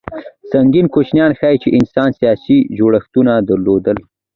سنګیر کوچنیان ښيي، چې انسان سیاسي جوړښتونه درلودل.